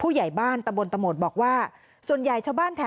ผู้ใหญ่บ้านตำบลตมโลศรีบอกว่าส่วนใหญ่ชาวบ้านแถมนี้